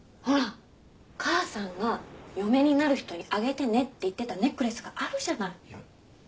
ほら母さんが嫁になる人にあげてねって言ってたネックレスがあるじゃない。